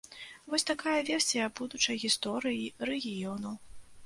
Вось такая версія будучай гісторыі рэгіёну.